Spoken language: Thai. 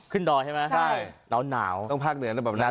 ขึ้นดอยใช่ไหมครับหนาวต้องพักเหนือแล้วแบบนั้นแหละ